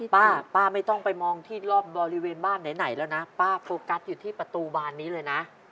ป้าป้าไม่ต้องไปมองที่รอบบริเวณบ้านไหนแล้วนะป้าโฟกัสอยู่ที่ประตูบานนี้เลยนะ